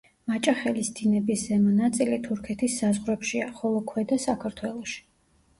მაჭახელის დინების ზემო ნაწილი თურქეთის საზღვრებშია, ხოლო ქვედა საქართველოში.